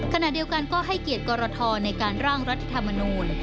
ขณะเดียวกันก็ให้เกียรติกรทในการร่างรัฐธรรมนูล